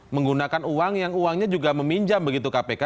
menggunakan uang yang uangnya juga meminjam begitu kpk